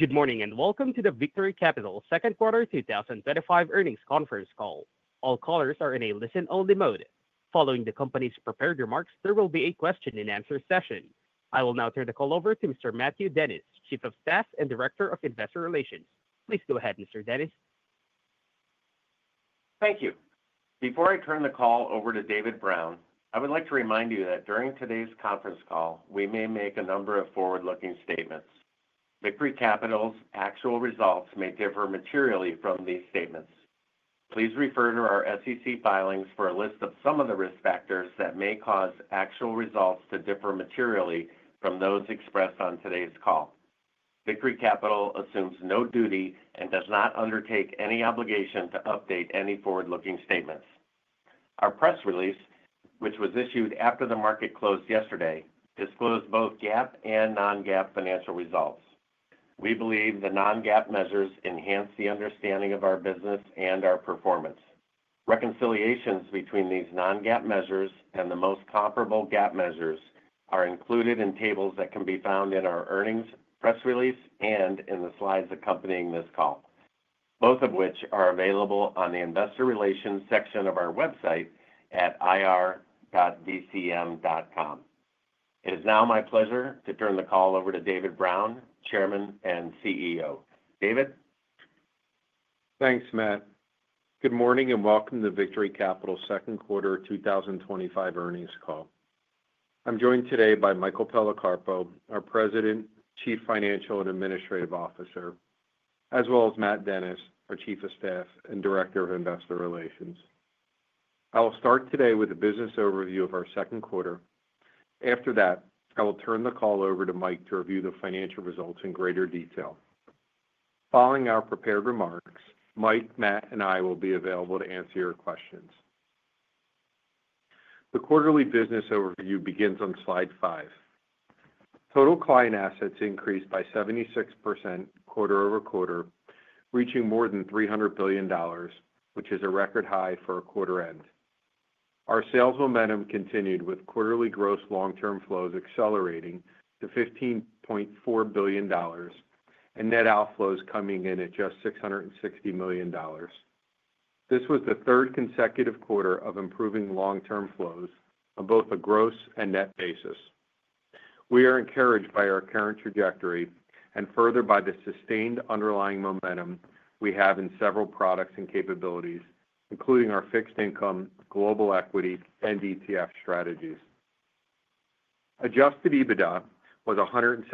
Good morning and welcome to Victory Capital's Second Quarter 2025 Earnings Conference Call. All callers are in a listen-only mode. Following the company's prepared remarks, there will be a question-and-answer session. I will now turn the call over to Mr. Matthew Dennis, Chief of Staff and Director of Investor Relations. Please go ahead, Mr. Dennis. Thank you. Before I turn the call over to David Brown, I would like to remind you that during today's conference call, we may make a number of forward-looking statements. Victory Capital's actual results may differ materially from these statements. Please refer to our SEC filings for a list of some of the risk factors that may cause actual results to differ materially from those expressed on today's call. Victory Capital assumes no duty and does not undertake any obligation to update any forward-looking statements. Our press release, which was issued after the market closed yesterday, disclosed both GAAP and non-GAAP financial results. We believe the non-GAAP measures enhance the understanding of our business and our performance. Reconciliations between these non-GAAP measures and the most comparable GAAP measures are included in tables that can be found in our earnings press release and in the slides accompanying this call, both of which are available on the Investor Relations section of our website at ir.vcm.com. It is now my pleasure to turn the call over to David Brown, Chairman and CEO. David? Thanks, Matt. Good morning and welcome to Victory Capital's Second Quarter 2025 Earnings Call. I'm joined today by Michael Policarpo, our President, Chief Financial and Administrative Officer, as well as Matt Dennis, our Chief of Staff and Director of Investor Relations. I will start today with a business overview of our second quarter. After that, I will turn the call over to Mike to review the financial results in greater detail. Following our prepared remarks, Mike, Matt, and I will be available to answer your questions. The quarterly business overview begins on slide five. Total client assets increased by 76% quarter-over-quarter, reaching more than $300 billion, which is a record high for a quarter end. Our sales momentum continued with quarterly gross long-term flows accelerating to $15.4 billion and net outflows coming in at just $660 million. This was the third consecutive quarter of improving long-term flows on both a gross and net basis. We are encouraged by our current trajectory and further by the sustained underlying momentum we have in several products and capabilities, including our fixed income, global equity, and ETF strategies. Adjusted EBITDA was $179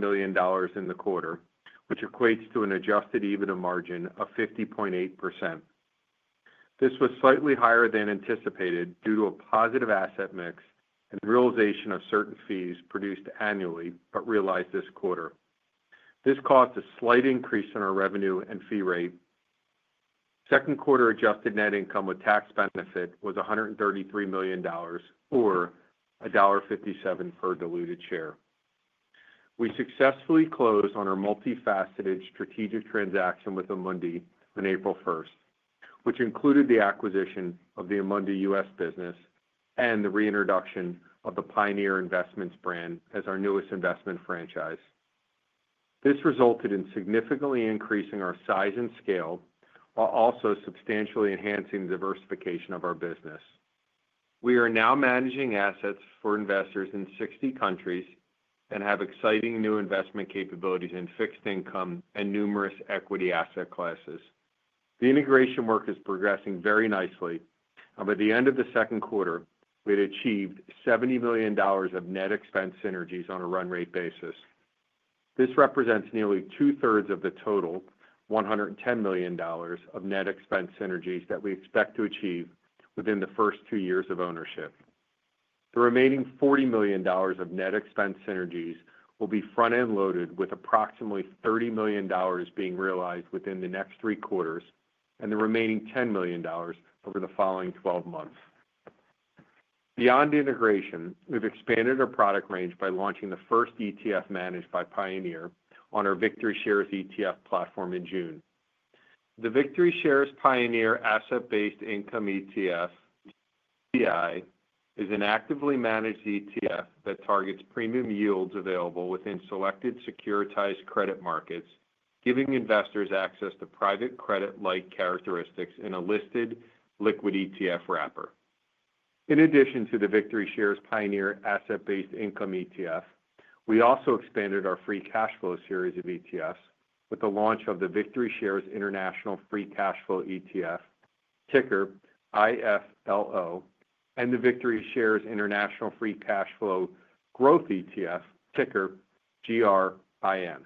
million in the quarter, which equates to an adjusted EBITDA margin of 50.8%. This was slightly higher than anticipated due to a positive asset mix and the realization of certain fees produced annually but realized this quarter. This caused a slight increase in our revenue and fee rate. Second quarter adjusted net income with tax benefit was $133 million, or $1.57 per diluted share. We successfully closed on our multifaceted strategic transaction with Amundi on April 1st, which included the acquisition of the Amundi US business and the reintroduction of the Pioneer Investments brand as our newest investment franchise. This resulted in significantly increasing our size and scale, while also substantially enhancing the diversification of our business. We are now managing assets for investors in 60 countries and have exciting new investment capabilities in fixed income and numerous equity asset classes. The integration work is progressing very nicely, and by the end of the second quarter, we had achieved $70 million of net expense synergies on a run-rate basis. This represents nearly two-thirds of the total $110 million of net expense synergies that we expect to achieve within the first two years of ownership. The remaining $40 million of net expense synergies will be front-end loaded, with approximately $30 million being realized within the next three quarters and the remaining $10 million over the following 12 months. Beyond integration, we've expanded our product range by launching the first ETF managed by Pioneer on our Victory Shares ETF platform in June. The Victory Shares Pioneer Asset-Based Income ETF, VI, is an actively managed ETF that targets premium yields available within selected securitized credit markets, giving investors access to private credit-like characteristics in a listed liquid ETF wrapper. In addition to the Victory Shares Pioneer Asset-Based Income ETF, we also expanded our free cash flow series of ETFs with the launch of the Victory Shares International Free Cash Flow ETF, ticker IFLO, and the Victory Shares International Free Cash Flow Growth ETF, ticker GRIN.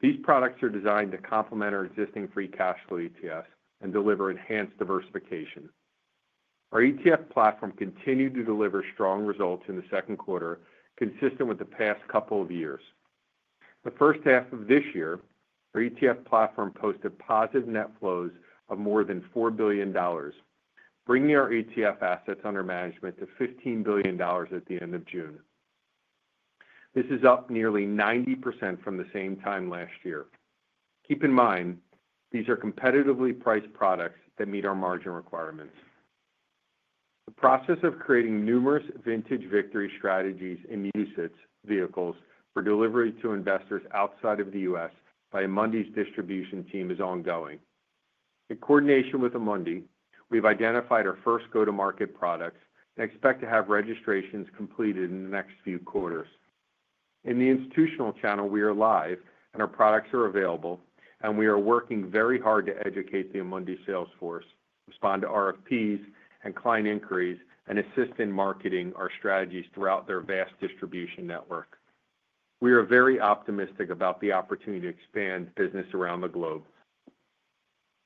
These products are designed to complement our existing free cash flow ETFs and deliver enhanced diversification. Our ETF platform continued to deliver strong results in the second quarter, consistent with the past couple of years. The first half of this year, our ETF platform posted positive net flows of more than $4 billion, bringing our ETF assets under management to $15 billion at the end of June. This is up nearly 90% from the same time last year. Keep in mind, these are competitively priced products that meet our margin requirements. The process of creating numerous vintage Victory strategies and usage vehicles for delivery to investors outside of the U.S. by Amundi's distribution team is ongoing. In coordination with Amundi, we've identified our first go-to-market products and expect to have registrations completed in the next few quarters. In the institutional channel, we are live and our products are available, and we are working very hard to educate the Amundi sales force, respond to RFPs and client inquiries, and assist in marketing our strategies throughout their vast distribution network. We are very optimistic about the opportunity to expand business around the globe.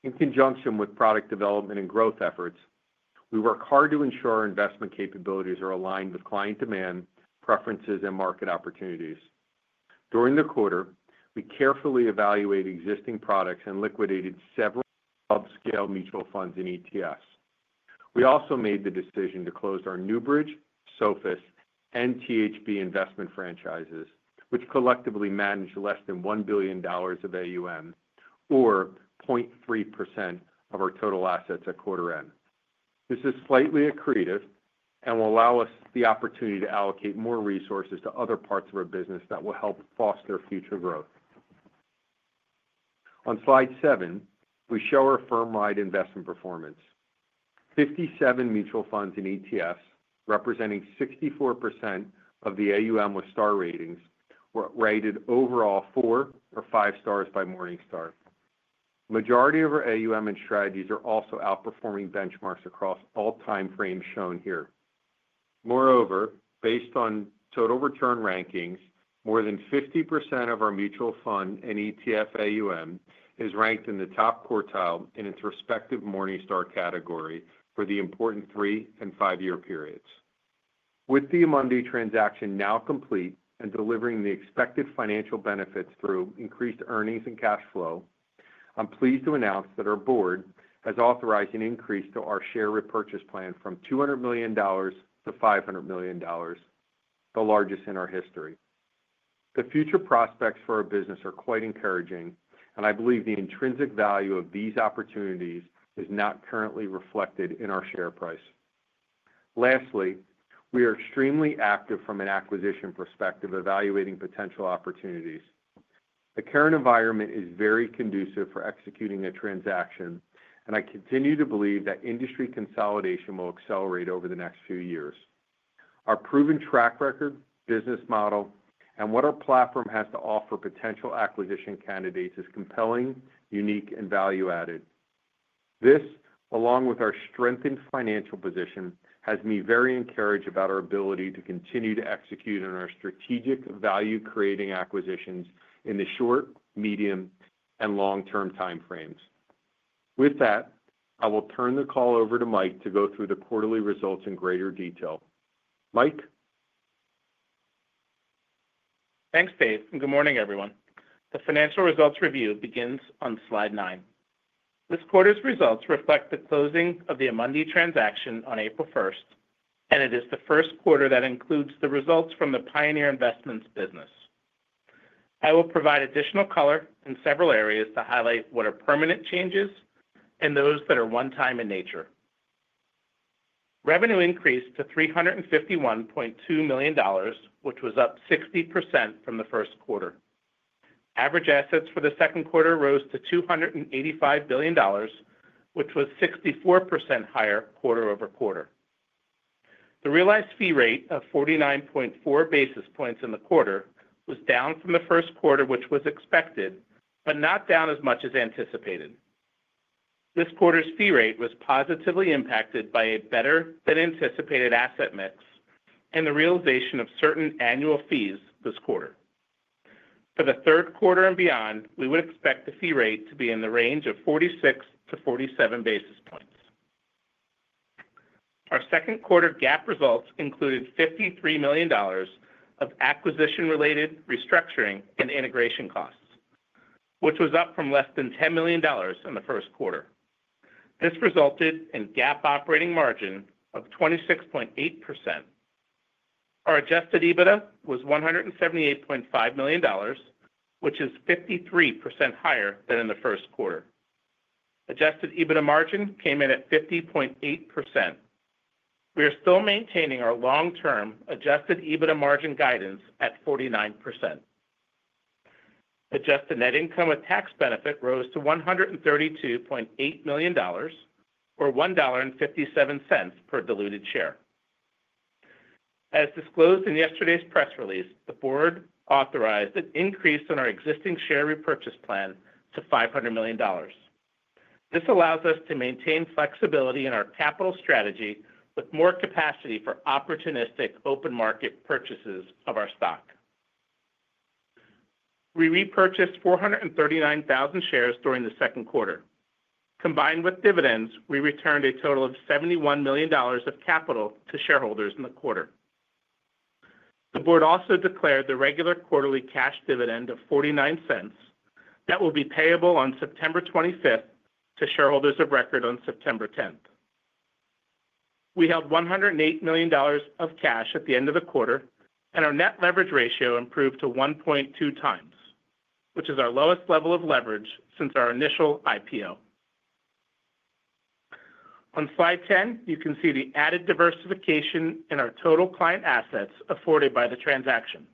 In conjunction with product development and growth efforts, we work hard to ensure our investment capabilities are aligned with client demand, preferences, and market opportunities. During the quarter, we carefully evaluated existing products and liquidated several upscaled mutual funds and ETFs. We also made the decision to close our Newbridge, Sophis, and THB investment franchises, which collectively manage less than $1 billion of AUM, or 0.3% of our total assets at quarter end. This is slightly accretive and will allow us the opportunity to allocate more resources to other parts of our business that will help foster future growth. On slide seven, we show our firm-wide investment performance. 57 mutual funds and ETFs, representing 64% of the AUM with star ratings, were rated overall four or five stars by Morningstar. The majority of our AUM and strategies are also outperforming benchmarks across all time frames shown here. Moreover, based on total return rankings, more than 50% of our mutual fund and ETF AUM is ranked in the top quartile in its respective Morningstar category for the important three and five-year periods. With the Amundi transaction now complete and delivering the expected financial benefits through increased earnings and cash flow, I'm pleased to announce that our board has authorized an increase to our share repurchase plan from $200 million-$500 million, the largest in our history. The future prospects for our business are quite encouraging, and I believe the intrinsic value of these opportunities is not currently reflected in our share price. Lastly, we are extremely active from an acquisition perspective, evaluating potential opportunities. The current environment is very conducive for executing a transaction, and I continue to believe that industry consolidation will accelerate over the next few years. Our proven track record, business model, and what our platform has to offer potential acquisition candidates is compelling, unique, and value added. This, along with our strengthened financial position, has me very encouraged about our ability to continue to execute on our strategic value-creating acquisitions in the short, medium, and long-term time frames. With that, I will turn the call over to Mike to go through the quarterly results in greater detail. Mike. Thanks, Dave. Good morning, everyone. The financial results review begins on slide nine. This quarter's results reflect the closing of the Amundi transaction on April 1st, and it is the First Quarter that includes the results from the Pioneer Investments business. I will provide additional color in several areas to highlight what are permanent changes and those that are one-time in nature. Revenue increased to $351.2 million, which was up 60% from the First Quarter. Average assets for the second quarter rose to $285 billion, which was 64% higher quarter-over-quarter. The realized fee rate of 49.4 basis points in the quarter was down from the First Quarter, which was expected, but not down as much as anticipated. This quarter's fee rate was positively impacted by a better-than-anticipated asset mix and the realization of certain annual fees this quarter. For the third quarter and beyond, we would expect the fee rate to be in the range of 46 to 47 basis points. Our second quarter GAAP results included $53 million of acquisition-related restructuring and integration costs, which was up from less than $10 million in the First Quarter. This resulted in a GAAP operating margin of 26.8%. Our adjusted EBITDA was $178.5 million, which is 53% higher than in the First Quarter. Adjusted EBITDA margin came in at 50.8%. We are still maintaining our long-term adjusted EBITDA margin guidance at 49%. Adjusted net income with tax benefit rose to $132.8 million, or $1.57 per diluted share. As disclosed in yesterday's press release, the board authorized an increase in our existing share repurchase plan to $500 million. This allows us to maintain flexibility in our capital strategy with more capacity for opportunistic open market purchases of our stock. We repurchased 439,000 shares during the second quarter. Combined with dividends, we returned a total of $71 million of capital to shareholders in the quarter. The board also declared the regular quarterly cash dividend of $0.49 that will be payable on September 25th to shareholders of record on September 10th. We held $108 million of cash at the end of the quarter, and our net leverage ratio improved to 1.2x, which is our lowest level of leverage since our initial IPO. On slide 10, you can see the added diversification in our total client assets afforded by the transaction.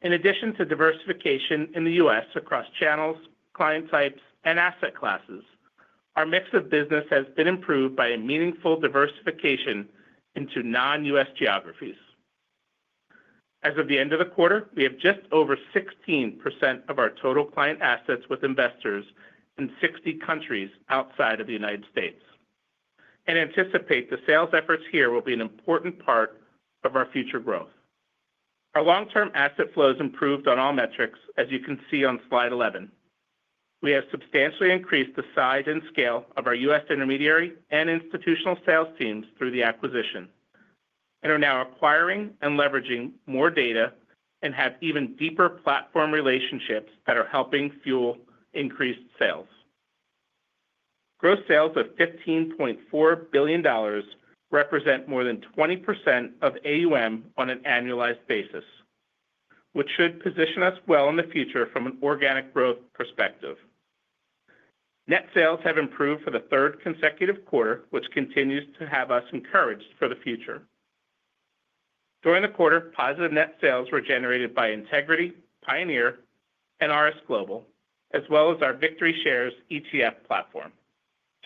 In addition to diversification in the U.S. across channels, client types, and asset classes, our mix of business has been improved by a meaningful diversification into non-US geographies. As of the end of the quarter, we have just over 16% of our total client assets with investors in 60 countries outside of the United States. I anticipate the sales efforts here will be an important part of our future growth. Our long-term asset flows improved on all metrics, as you can see on slide 11. We have substantially increased the size and scale of our US intermediary and institutional sales teams through the acquisition and are now acquiring and leveraging more data and have even deeper platform relationships that are helping fuel increased sales. Gross sales of $15.4 billion represent more than 20% of AUM on an annualized basis, which should position us well in the future from an organic growth perspective. Net sales have improved for the third consecutive quarter, which continues to have us encouraged for the future. During the quarter, positive net sales were generated by Integrity, Pioneer, and RS Global, as well as our Victory Shares ETF platform.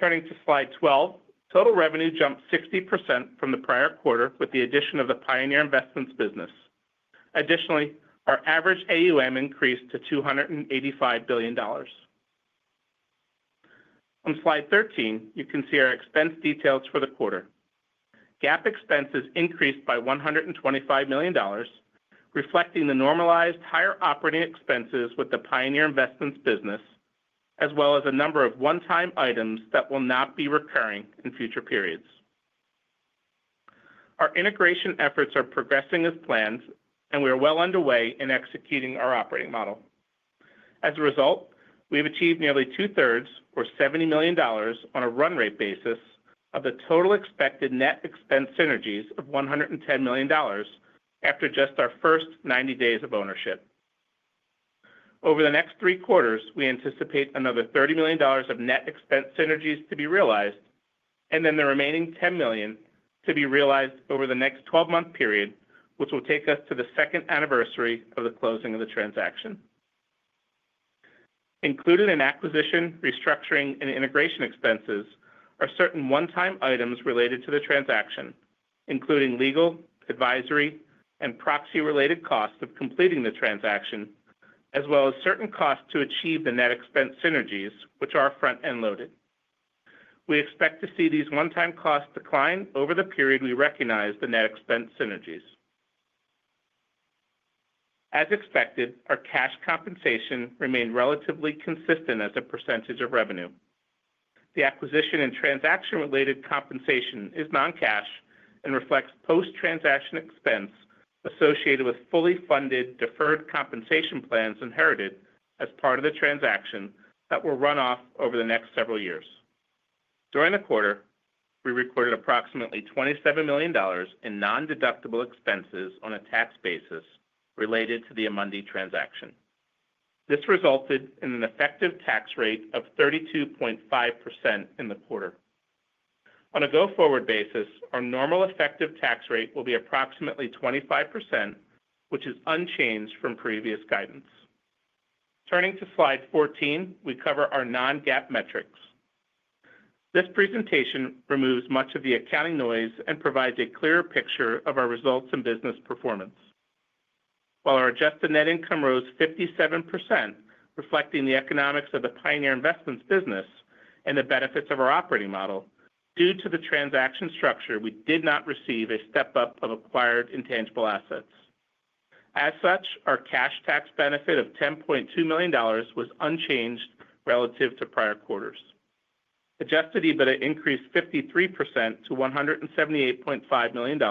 Turning to slide 12, total revenue jumped 60% from the prior quarter with the addition of the Pioneer Investments business. Additionally, our average AUM increased to $285 billion. On slide 13, you can see our expense details for the quarter. GAAP expenses increased by $125 million, reflecting the normalized higher operating expenses with the Pioneer Investments business, as well as a number of one-time items that will not be recurring in future periods. Our integration efforts are progressing as planned, and we are well underway in executing our operating model. As a result, we have achieved nearly two-thirds, or $70 million, on a run-rate basis of the total expected net expense synergies of $110 million after just our first 90 days of ownership. Over the next three quarters, we anticipate another $30 million of net expense synergies to be realized, and then the remaining $10 million to be realized over the next 12-month period, which will take us to the second anniversary of the closing of the transaction. Included in acquisition, restructuring, and integration expenses are certain one-time items related to the transaction, including legal, advisory, and proxy-related costs of completing the transaction, as well as certain costs to achieve the net expense synergies, which are front-end loaded. We expect to see these one-time costs decline over the period we recognize the net expense synergies. As expected, our cash compensation remained relatively consistent as a percentage of revenue. The acquisition and transaction-related compensation is non-cash and reflects post-transaction expense associated with fully funded deferred compensation plans inherited as part of the transaction that will run off over the next several years. During the quarter, we recorded approximately $27 million in non-deductible expenses on a tax basis related to the Amundi transaction. This resulted in an effective tax rate of 32.5% in the quarter. On a go-forward basis, our normal effective tax rate will be approximately 25%, which is unchanged from previous guidance. Turning to slide 14, we cover our non-GAAP metrics. This presentation removes much of the accounting noise and provides a clearer picture of our results and business performance. While our adjusted net income rose 57%, reflecting the economics of the Pioneer Investments business and the benefits of our operating model, due to the transaction structure, we did not receive a step-up of acquired intangible assets. As such, our cash tax benefit of $10.2 million was unchanged relative to prior quarters. Adjusted EBITDA increased 53% to $178.5 million.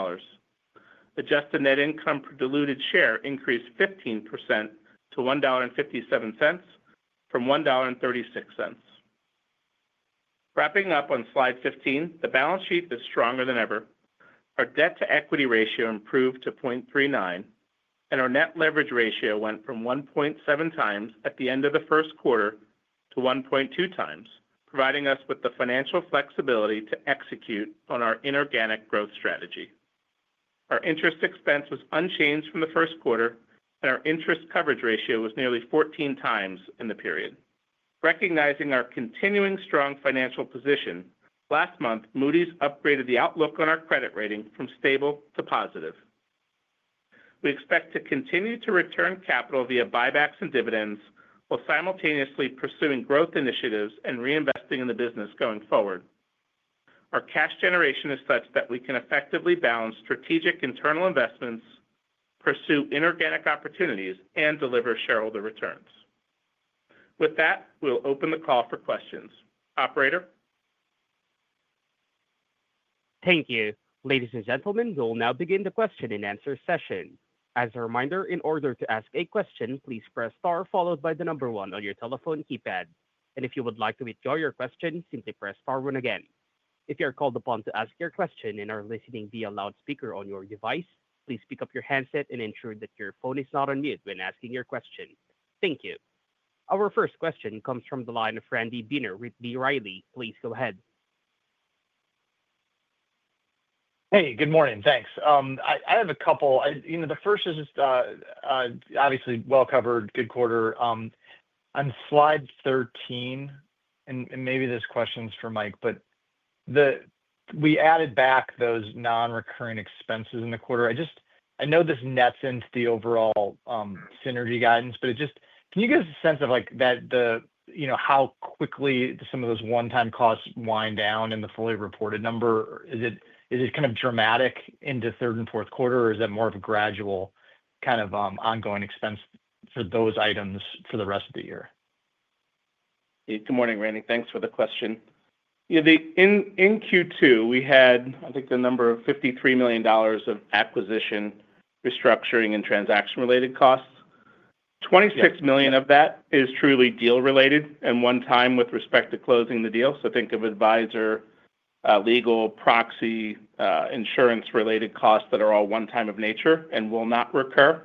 Adjusted net income per diluted share increased 15% to $1.57 from $1.36. Wrapping up on slide 15, the balance sheet is stronger than ever. Our debt-to-equity ratio improved to 0.39, and our net leverage ratio went from 1.7x at the end of the First Quarter to 1.2x, providing us with the financial flexibility to execute on our inorganic growth strategy. Our interest expense was unchanged from the First Quarter, and our interest coverage ratio was nearly 14x in the period. Recognizing our continuing strong financial position, last month, Moody’s upgraded the outlook on our credit rating from stable to positive. We expect to continue to return capital via buybacks and dividends, while simultaneously pursuing growth initiatives and reinvesting in the business going forward. Our cash generation is such that we can effectively balance strategic internal investments, pursue inorganic opportunities, and deliver shareholder returns. With that, we'll open the call for questions. Operator? Thank you. Ladies and gentlemen, we will now begin the question-and-answer session. As a reminder, in order to ask a question, please press star followed by the number one on your telephone keypad. If you would like to withdraw your question, simply press star one again. If you are called upon to ask your question and are listening via loudspeaker on your device, please pick up your handset and ensure that your phone is not on mute when asking your question. Thank you. Our first question comes from the line of Randy Binner with B. Riley. Please go ahead. Hey, good morning. Thanks. I have a couple. The first is just obviously well covered, good quarter. On slide 13, and maybe this question is for Mike, but we added back those non-recurring expenses in the quarter. I know this nets into the overall synergy guidance, but can you give us a sense of how quickly some of those one-time costs wind down in the fully reported number? Is it kind of dramatic into third and fourth quarter, or is that more of a gradual ongoing expense for those items for the rest of the year? Good morning, Randy. Thanks for the question. In Q2, we had, I think, the number of $53 million of acquisition, restructuring, and transaction-related costs. $26 million of that is truly deal-related and one-time with respect to closing the deal. Think of advisor, legal, proxy, insurance-related costs that are all one-time in nature and will not recur.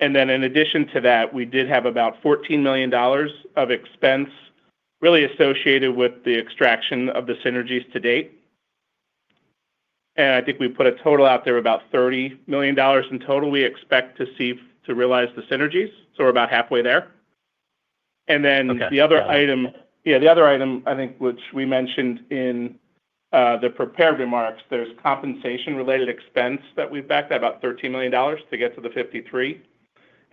In addition to that, we did have about $14 million of expense really associated with the extraction of the synergies to date. I think we put a total out there of about $30 million in total we expect to see to realize the synergies, so we're about halfway there. The other item, which we mentioned in the prepared remarks, there's compensation-related expense that we've backed at about $13 million to get to the $53 million.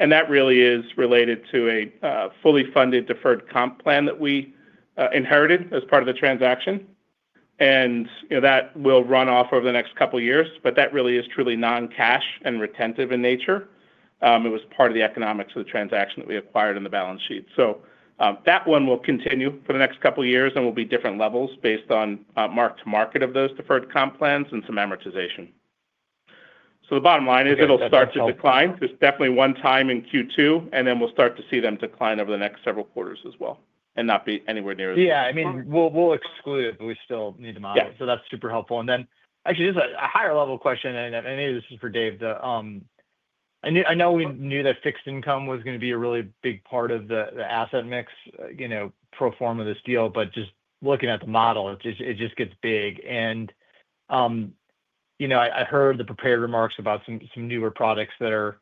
That really is related to a fully funded deferred comp plan that we inherited as part of the transaction. That will run off over the next couple of years, but that really is truly non-cash and retentive in nature. It was part of the economics of the transaction that we acquired on the balance sheet. That one will continue for the next couple of years and will be different levels based on mark-to-market of those deferred comp plans and some amortization. The bottom line is it'll start to decline. There's definitely one-time in Q2, and we'll start to see them decline over the next several quarters as well and not be anywhere near that. Yeah, I mean, we'll exclude. We still need to model. Yeah. That's super helpful. This is a higher-level question, and I know this is for Dave. I know we knew that fixed income was going to be a really big part of the asset mix, pro forma of this deal, but just looking at the model, it just gets big. I heard the prepared remarks about some newer products that are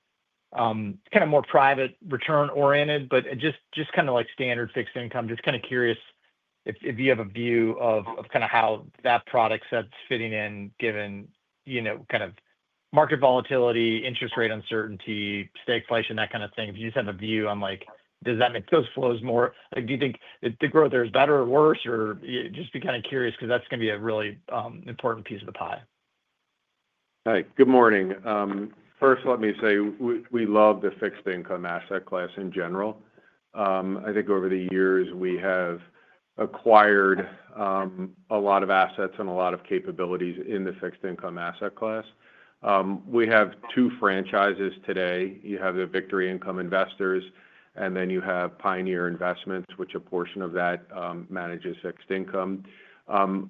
kind of more private return-oriented, but just kind of like standard fixed income. Just kind of curious if you have a view of how that product set's fitting in given market volatility, interest rate uncertainty, stake placement, that kind of thing. If you just have a view on, does that make those flows more? Do you think the growth there is better or worse? Just be kind of curious because that's going to be a really important piece of the pie. All right. Good morning. First, let me say we love the fixed income asset class in general. I think over the years, we have acquired a lot of assets and a lot of capabilities in the fixed income asset class. We have two franchises today. You have the Victory Income Investors, and then you have Pioneer Investments, which a portion of that manages fixed income.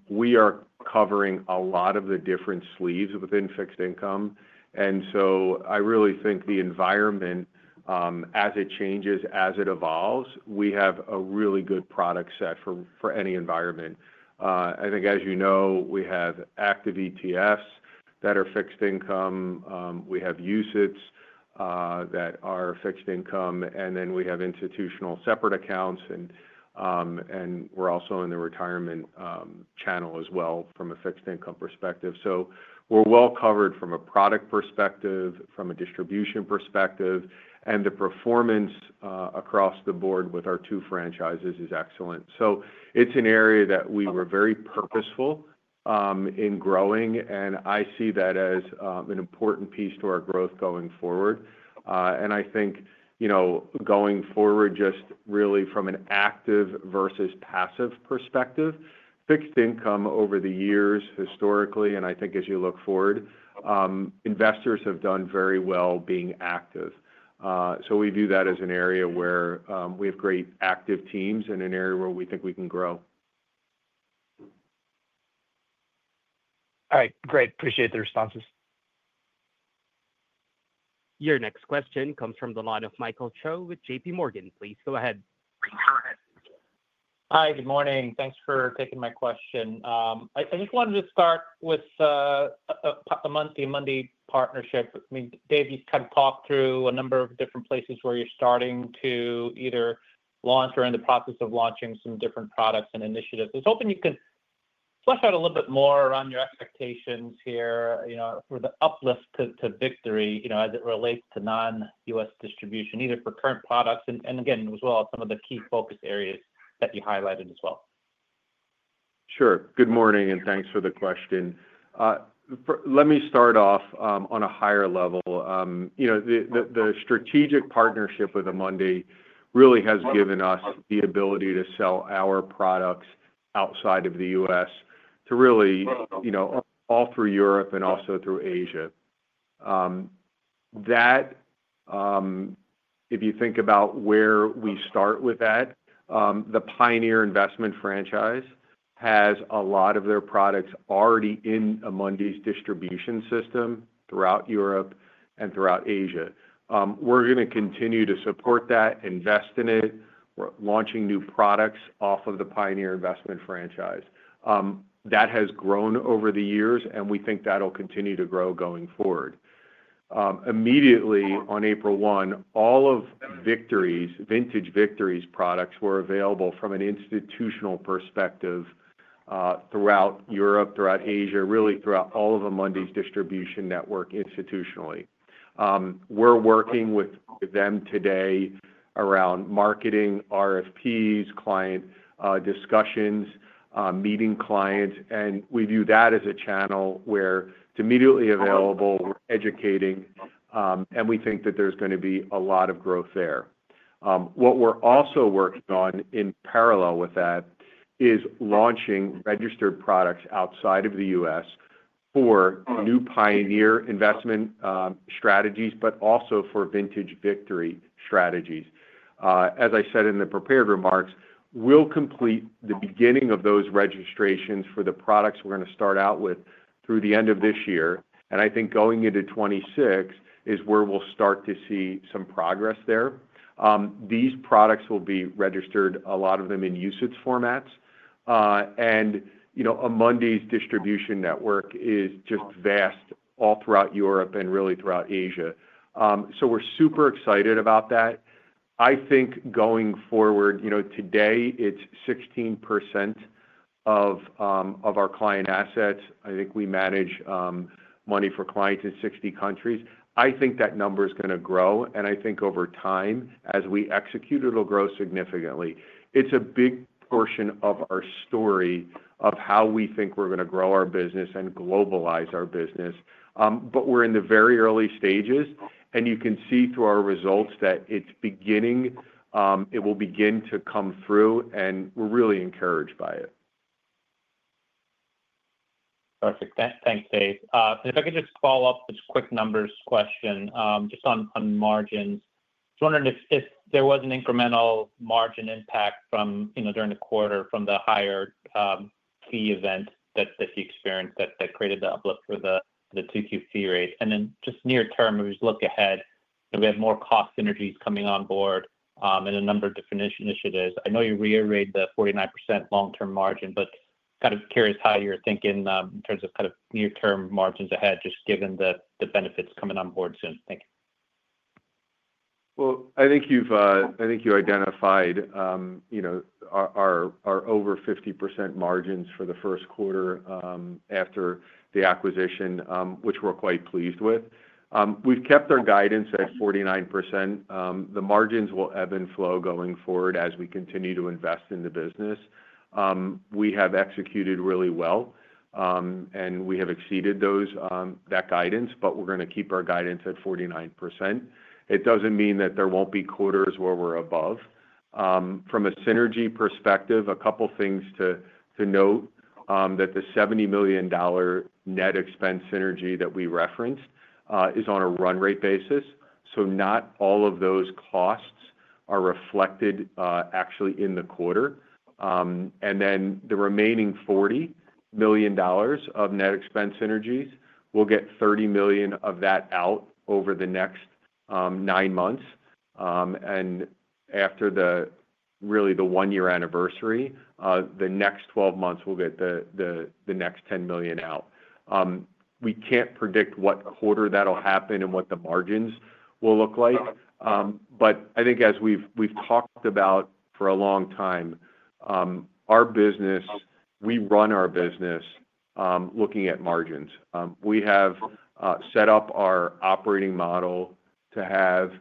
We are covering a lot of the different sleeves within fixed income. I really think the environment, as it changes, as it evolves, we have a really good product set for any environment. I think, as you know, we have active ETFs that are fixed income. We have UCITS that are fixed income, and then we have institutional separate accounts. We're also in the retirement channel as well from a fixed income perspective. We are well covered from a product perspective, from a distribution perspective, and the performance across the board with our two franchises is excellent. It's an area that we were very purposeful in growing, and I see that as an important piece to our growth going forward. I think, going forward, just really from an active versus passive perspective, fixed income over the years historically, and I think as you look forward, investors have done very well being active. We view that as an area where we have great active teams and an area where we think we can grow. All right. Great. Appreciate the responses. Your next question comes from the line of Michael Cho with JPMorgan. Please go ahead. Thanks for having me. Hi. Good morning. Thanks for taking my question. I just wanted to start with the Amundi partnership. Dave, you've kind of talked through a number of different places where you're starting to either launch or in the process of launching some different products and initiatives. I was hoping you could flesh out a little bit more around your expectations here for the uplift to Victory as it relates to non-US distribution, either for current products and, again, as well as some of the key focus areas that you highlighted as well. Sure. Good morning, and thanks for the question. Let me start off on a higher level. The strategic partnership with Amundi really has given us the ability to sell our products outside of the U.S. to all through Europe and also through Asia. If you think about where we start with that, the Pioneer Investments franchise has a lot of their products already in Amundi's distribution system throughout Europe and throughout Asia. We're going to continue to support that, invest in it. We're launching new products off of the Pioneer Investments franchise. That has grown over the years, and we think that'll continue to grow going forward. Immediately on April 1, all of Victory's vintage Victory's products were available from an institutional perspective throughout Europe, throughout Asia, really throughout all of Amundi's distribution network institutionally. We're working with them today around marketing, RFPs, client discussions, meeting clients, and we view that as a channel where it's immediately available, we're educating, and we think that there's going to be a lot of growth there. What we're also working on in parallel with that is launching registered products outside of the U.S. for new Pioneer Investments strategies, but also for vintage Victory strategies. As I said in the prepared remarks, we'll complete the beginning of those registrations for the products we're going to start out with through the end of this year. I think going into 2026 is where we'll start to see some progress there. These products will be registered, a lot of them in UCITS formats. Amundi's distribution network is just vast all throughout Europe and really throughout Asia. We're super excited about that. I think going forward, today it's 16% of our client assets. I think we manage money for clients in 60 countries. I think that number is going to grow, and I think over time, as we execute, it'll grow significantly. It's a big portion of our story of how we think we're going to grow our business and globalize our business. We're in the very early stages, and you can see through our results that it's beginning, it will begin to come through, and we're really encouraged by it. Perfect. Thanks, Dave. If I could just follow up with a quick numbers question, just on margins. I was wondering if there was an incremental margin impact from, you know, during the quarter from the higher fee event that you experienced that created the uplift for the 2Q fee rate. Just near-term, as you look ahead, we have more cost synergies coming on board and a number of different initiatives. I know you reiterated the 49% long-term margin, but kind of curious how you're thinking in terms of kind of near-term margins ahead, just given the benefits coming on board soon. Thank you. I think you identified our over 50% margins for the First Quarter after the acquisition, which we're quite pleased with. We've kept our guidance at 49%. The margins will ebb and flow going forward as we continue to invest in the business. We have executed really well, and we have exceeded that guidance, but we're going to keep our guidance at 49%. It doesn't mean that there won't be quarters where we're above. From a synergy perspective, a couple of things to note: the $70 million net expense synergy that we referenced is on a run-rate basis. Not all of those costs are reflected actually in the quarter. The remaining $40 million of net expense synergies, we'll get $30 million of that out over the next nine months. After the one-year anniversary, the next 12 months, we'll get the next $10 million out. We can't predict what quarter that'll happen and what the margins will look like. I think as we've talked about for a long time, we run our business looking at margins. We have set up our operating model to have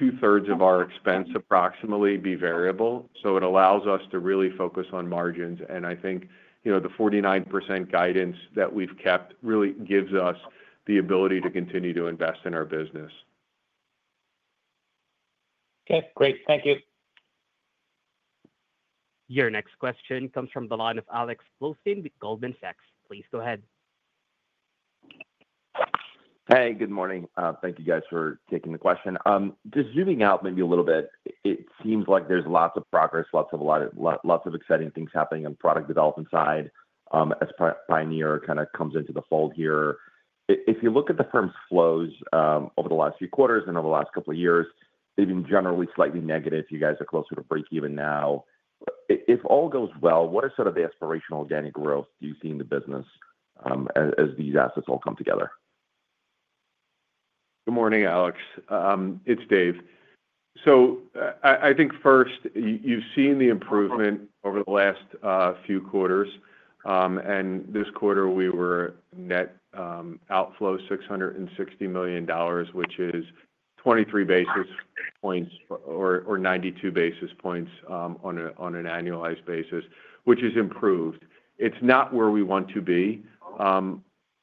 two-thirds of our expense approximately be variable. It allows us to really focus on margins. I think the 49% guidance that we've kept really gives us the ability to continue to invest in our business. Okay, great. Thank you. Your next question comes from the line of Alex Blostein with Goldman Sachs. Please go ahead. Hey, good morning. Thank you guys for taking the question. Just zooming out maybe a little bit, it seems like there's lots of progress, lots of exciting things happening on the product development side as Pioneer kind of comes into the fold here. If you look at the firm's flows over the last few quarters and over the last couple of years, they've been generally slightly negative. You guys are closer to break even now. If all goes well, what are sort of the aspirational organic growth you see in the business as these assets all come together? Good morning, Alex. It's Dave. I think first, you've seen the improvement over the last few quarters. This quarter, we were net outflow $660 million, which is 23 basis points or 92 basis points on an annualized basis, which is improved. It's not where we want to be.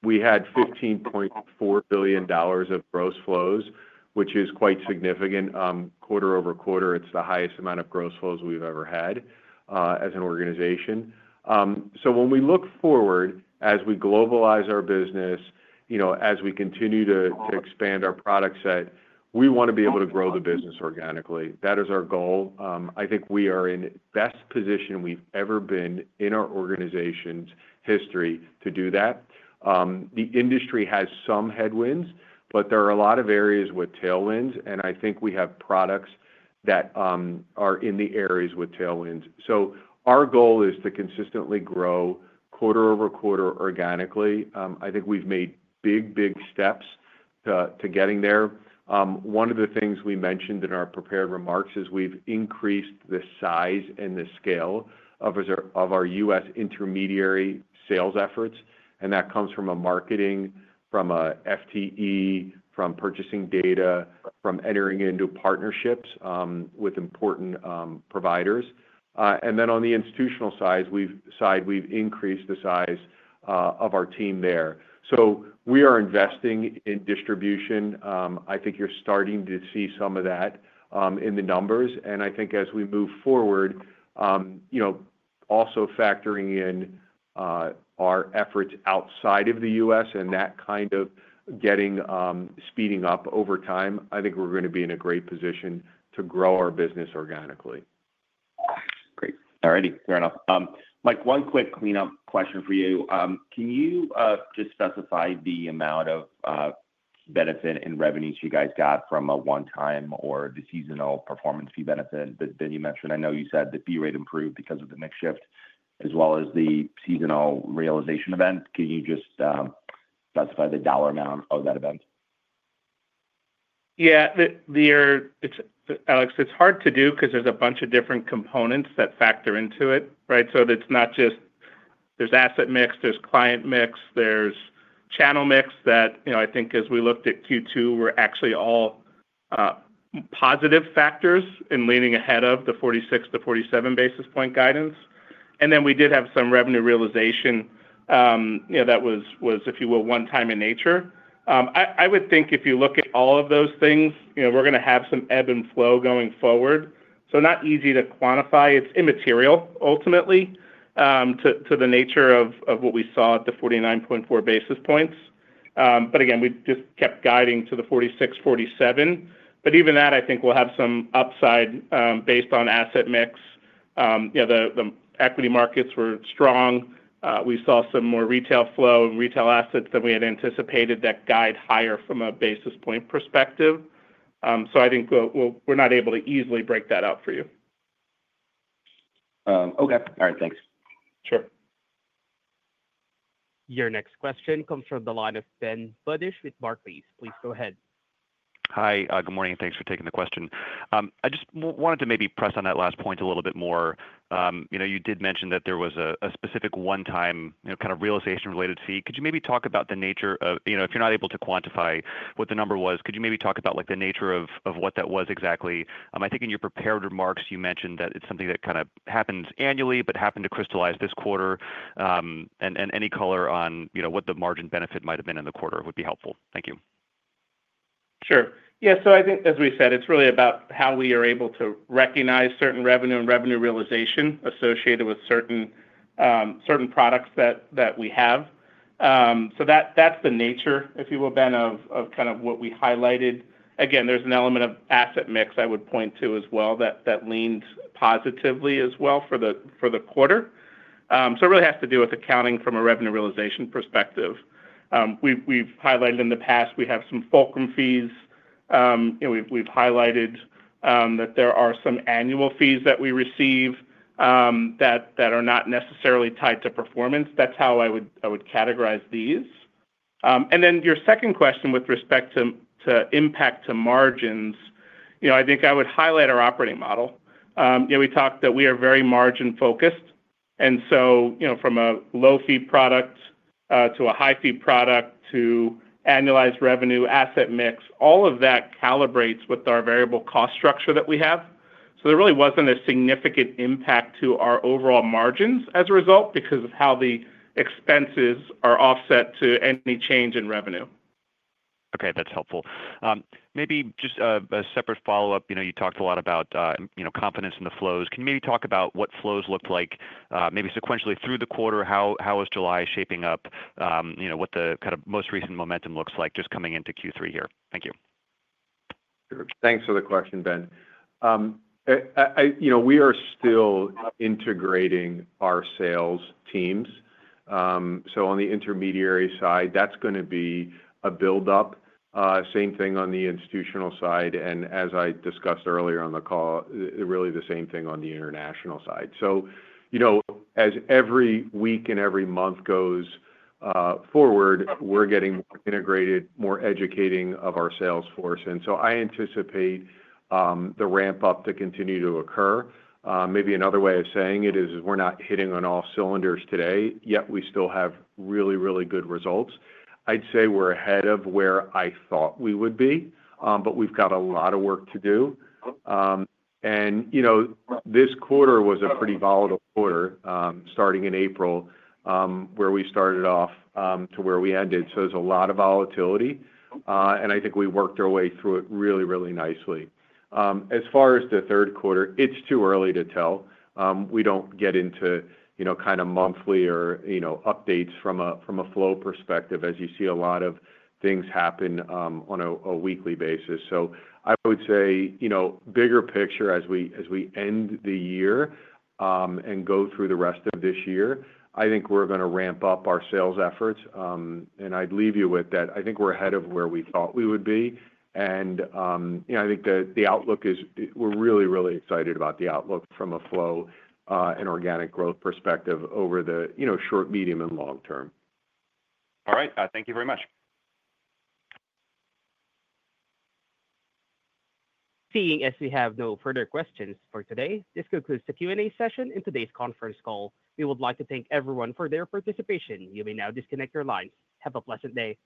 We had $15.4 billion of gross flows, which is quite significant. Quarter-over-quarter, it's the highest amount of gross flows we've ever had as an organization. When we look forward, as we globalize our business, as we continue to expand our product set, we want to be able to grow the business organically. That is our goal. I think we are in the best position we've ever been in our organization's history to do that. The industry has some headwinds, but there are a lot of areas with tailwinds, and I think we have products that are in the areas with tailwinds. Our goal is to consistently grow quarter-over-quarter organically. I think we've made big, big steps to getting there. One of the things we mentioned in our prepared remarks is we've increased the size and the scale of our US intermediary sales efforts. That comes from a marketing, from an FTE, from purchasing data, from entering into partnerships with important providers. On the institutional side, we've increased the size of our team there. We are investing in distribution. I think you're starting to see some of that in the numbers. I think as we move forward, also factoring in our efforts outside of the U.S. and that kind of getting speeding up over time, I think we're going to be in a great position to grow our business organically. Great. All righty. Fair enough. Mike, one quick clean-up question for you. Can you just specify the amount of benefit and revenues you guys got from a one-time or the seasonal performance fee benefit that you mentioned? I know you said the fee rate improved because of the mix shift as well as the seasonal realization event. Can you just specify the dollar amount of that event? Yeah. Alex, it's hard to do because there's a bunch of different components that factor into it, right? It's not just there's asset mix, there's client mix, there's channel mix that, you know, I think as we looked at Q2, were actually all positive factors in leaning ahead of the 46 to 47 basis point guidance. We did have some revenue realization, you know, that was, if you will, one-time in nature. I would think if you look at all of those things, you know, we're going to have some ebb and flow going forward. Not easy to quantify. It's immaterial, ultimately, to the nature of what we saw at the 49.4 basis points. Again, we just kept guiding to the 46, 47. Even that, I think we'll have some upside based on asset mix. You know, the equity markets were strong. We saw some more retail flow and retail assets than we had anticipated that guide higher from a basis point perspective. I think we're not able to easily break that out for you. Okay. All right. Thanks. Sure. Your next question comes from the line of Ben Budish with Barclays. Please go ahead. Hi. Good morning. Thanks for taking the question. I just wanted to maybe press on that last point a little bit more. You did mention that there was a specific one-time, kind of realization-related fee. Could you maybe talk about the nature of, if you're not able to quantify what the number was, could you maybe talk about the nature of what that was exactly? I think in your prepared remarks, you mentioned that it's something that kind of happens annually, but happened to crystallize this quarter. Any color on what the margin benefit might have been in the quarter would be helpful. Thank you. Sure. Yeah. I think, as we said, it's really about how we are able to recognize certain revenue and revenue realization associated with certain products that we have. That's the nature, if you will, Ben, of kind of what we highlighted. There's an element of asset mix I would point to as well that leaned positively as well for the quarter. It really has to do with accounting from a revenue realization perspective. We've highlighted in the past, we have some fulcrum fees. We've highlighted that there are some annual fees that we receive that are not necessarily tied to performance. That's how I would categorize these. Your second question with respect to impact to margins, I think I would highlight our operating model. We talked that we are very margin-focused. From a low-fee product to a high-fee product to annualized revenue asset mix, all of that calibrates with our variable cost structure that we have. There really wasn't a significant impact to our overall margins as a result because of how the expenses are offset to any change in revenue. Okay. That's helpful. Maybe just a separate follow-up. You talked a lot about confidence in the flows. Can you maybe talk about what flows look like maybe sequentially through the quarter? How is July shaping up? What the kind of most recent momentum looks like just coming into Q3 here? Thank you. Sure. Thanks for the question, Ben. We are still integrating our sales teams. On the intermediary side, that's going to be a build-up. Same thing on the institutional side. As I discussed earlier on the call, really the same thing on the international side. As every week and every month goes forward, we're getting more integrated, more educating of our sales force. I anticipate the ramp-up to continue to occur. Maybe another way of saying it is we're not hitting on all cylinders today, yet we still have really, really good results. I'd say we're ahead of where I thought we would be, but we've got a lot of work to do. This quarter was a pretty volatile quarter, starting in April, where we started off to where we ended. There's a lot of volatility. I think we worked our way through it really, really nicely. As far as the third quarter, it's too early to tell. We don't get into monthly or updates from a flow perspective as you see a lot of things happen on a weekly basis. I would say, bigger picture as we end the year and go through the rest of this year, I think we're going to ramp up our sales efforts. I'd leave you with that. I think we're ahead of where we thought we would be. I think the outlook is we're really, really excited about the outlook from a flow and organic growth perspective over the short, medium, and long term. All right, thank you very much. Seeing as we have no further questions for today, this concludes the Q&A session in today's conference call. We would like to thank everyone for their participation. You may now disconnect your lines. Have a pleasant day.